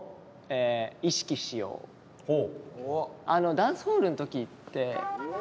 「ダンスホール」の時って。